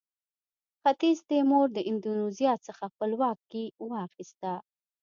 ختیځ تیمور د اندونیزیا څخه خپلواکي واخیسته.